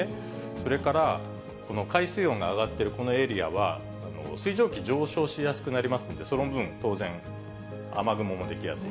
それからこの海水温が上がっているこのエリアは、水蒸気上昇しやすくなりますんで、その分、当然、雨雲も出来やすい。